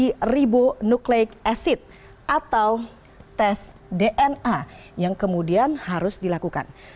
kedoksi ribonukleik asid atau tes dna yang kemudian harus dilakukan